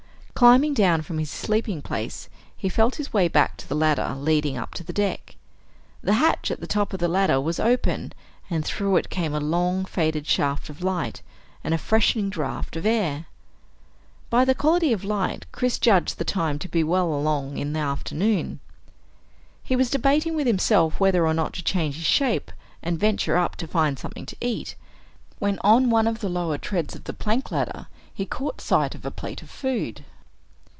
Climbing down from his sleeping place he felt his way back to the ladder leading up to the deck. The hatch at the top of the ladder was open and through it came a long faded shaft of light and a freshening draught of air. By the quality of the light, Chris judged the time to be well along in the afternoon. He was debating with himself whether or not to change his shape and venture up to find something to eat, when on one of the lower treads of the plank ladder he caught sight of a plate of food.